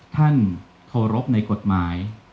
ท่านโทรภในกฎหมาย